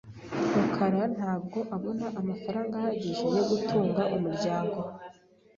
rukara ntabwo abona amafaranga ahagije yo gutunga umuryango .